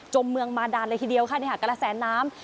มเมืองมาดานเลยทีเดียวค่ะกระแสน้ำ